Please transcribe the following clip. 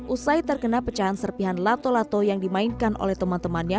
usai terkena pecahan serpihan lato lato yang dimainkan oleh teman temannya